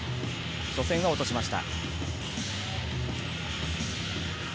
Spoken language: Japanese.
初戦は落としました。